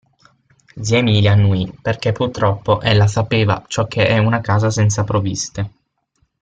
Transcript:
Zia Emilia annuì, perché purtroppo ella sapeva ciò che è una casa senza provviste.